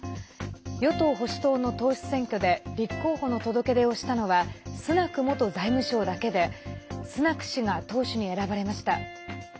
与党・保守党の党首選挙で立候補の届け出をしたのはスナク元財務相だけでスナク氏が党首に選ばれました。